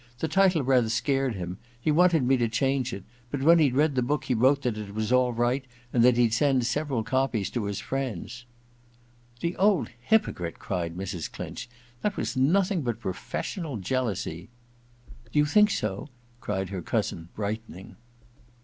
The title rather scared him — ^he wanted me to change it ; but when he'd read the book he wrote that it was ail right and that he'd sent several copies to his friends/ * The old hypocrite I ' cried Mrs. Clinch. • That was nothing but professional jealousy.' * Do you think so ?' cried her cousin, brightening.